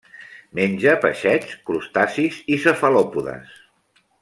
Menja peixets, crustacis i cefalòpodes.